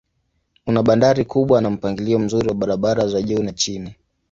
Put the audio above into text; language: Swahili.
Una bandari kubwa na mpangilio mzuri wa barabara za juu na chini.